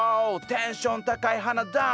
テンション高い花だね！